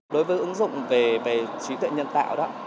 đối với ứng dụng về trí tuệ nhân tạo đó